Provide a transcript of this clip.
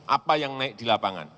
apa yang naik di lapangan